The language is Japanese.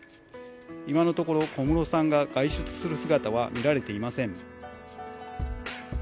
今のところ、小室さんが外出する姿は見られていません。